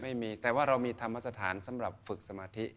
ไม่มีแต่ว่าเรามีธรรมสถานสำหรับฝึกสมาธิ